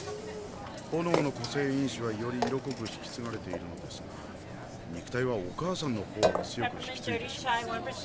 炎の個性因子はより色濃く引き継がれているのですが肉体はお母さんの方を強く引き継いでしまってるんです。